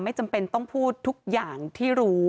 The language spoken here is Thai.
จำเป็นต้องพูดทุกอย่างที่รู้